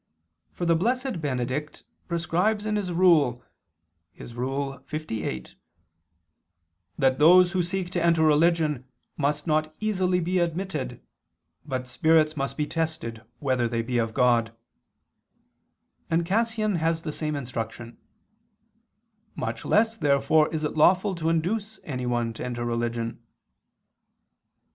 For the blessed Benedict prescribes in his Rule (lviii) that "those who seek to enter religion must not easily be admitted, but spirits must be tested whether they be of God"; and Cassian has the same instruction (De Inst. Caenob. iv, 3). Much less therefore is it lawful to induce anyone to enter religion.